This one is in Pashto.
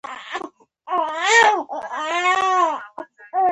قدرت د انساني ذهن ځواک هم زیاتوي.